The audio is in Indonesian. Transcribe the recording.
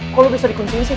kok lo bisa dikunjungin sih